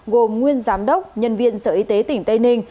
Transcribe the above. gồm nguyên giám đốc nhân viên sở y tế tỉnh tây ninh